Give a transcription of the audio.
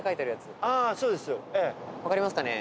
分かりますかね？